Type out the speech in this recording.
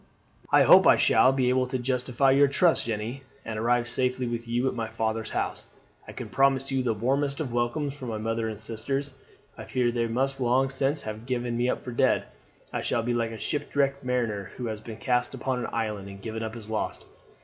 "I hope I shall be able to justify your trust, Jeanne, and arrive safely with you at my father's house. I can promise you the warmest of welcomes from my mother and sisters. I fear they must long since have given me up for dead. I shall be like a shipwrecked mariner who has been cast upon an island and given up as lost.